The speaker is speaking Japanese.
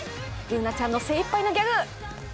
Ｂｏｏｎａちゃんの精いっぱいのギャグ！